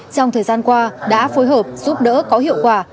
trong thời gian qua đã phối hợp giúp đỡ có hiệu quả